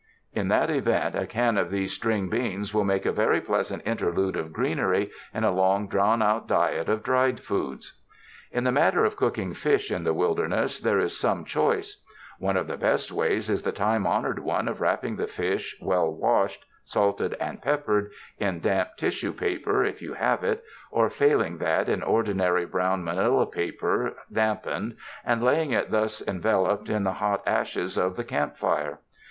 In that event, a can of these string beans will make a very pleasant interlude of greenery in a long drawn out diet of dried foods. In the matter of cooking fish in the wilderness, there is some choice. One of the best ways is the time honored one of wrapping the fish, well washed, salted and peppered, in damp tissue paper if you have it, or failing that in ordinary brown manila paper dampened, and laying it thus enveloped in the hot ashes of the camp fire.